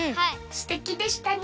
すてきでしたね。